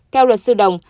theo luật sư đồng